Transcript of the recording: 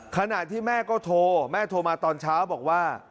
ขณะที่แม่ก็โทรแม่โทรมาตอนเช้าบอกว่า